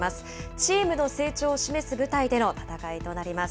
チームの成長を示す舞台での戦いとなります。